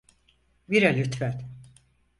Bira lütfen.